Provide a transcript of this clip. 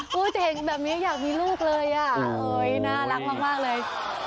จะเห็นแบบนี้อยากมีลูกเลยอ่ะน่ารักมากเลย